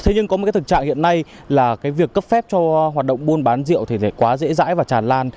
thế nhưng có một cái thực trạng hiện nay là cái việc cấp phép cho hoạt động buôn bán rượu thì quá dễ dãi và tràn lan